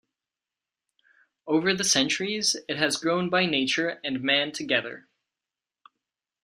Over the centuries it has grown by nature and man together.